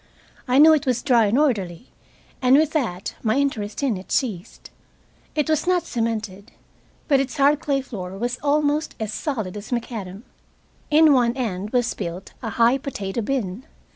I knew it was dry and orderly, and with that my interest in it ceased. It was not cemented, but its hard clay floor was almost as solid as macadam. In one end was built a high potato bin.